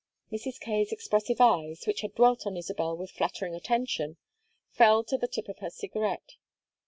Mrs. Kaye's expressive eyes, which had dwelt on Isabel with flattering attention, fell to the tip of her cigarette.